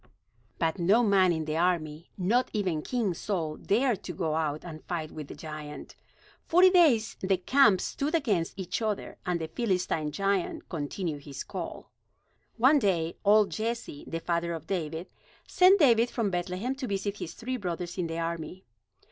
But no man in the army, not even King Saul, dared to go out and fight with the giant. Forty days the camps stood against each other, and the Philistine giant continued his call. One day, old Jesse, the father of David, sent David from Bethlehem to visit his three brothers in the army.